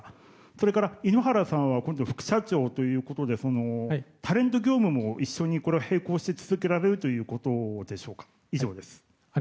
それから井ノ原さんは今度副社長ということでタレント業務も一緒に並行して続けられるということでしょうか。